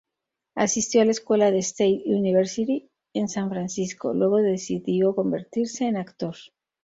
Asistió a la escuela State University en San Francisco, luego decidió convertirse en actor.